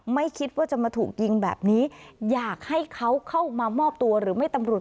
ไม่คิดว่าจะมาถูกยิงแบบนี้อยากให้เขาเข้ามามอบตัวหรือไม่ตำรวจ